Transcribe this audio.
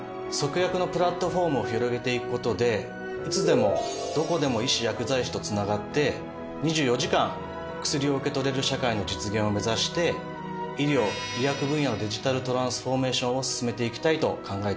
ＳＯＫＵＹＡＫＵのプラットフォームを広げていく事でいつでもどこでも医師・薬剤師とつながって２４時間薬を受け取れる社会の実現を目指して医療・医薬分野のデジタルトランスフォーメーションを進めていきたいと考えております。